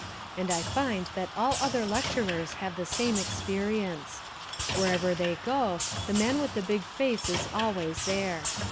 And I find that all other lecturers have the same experience. Wherever they go the man with the big face is always there.